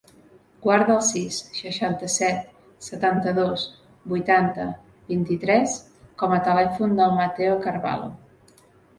Guarda el sis, seixanta-set, setanta-dos, vuitanta, vint-i-tres com a telèfon del Matteo Carvalho.